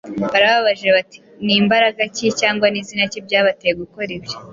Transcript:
Barabajije bati: « Ni mbaraga ki, cyangwa ni zina ki, byabateye gukora ibyo?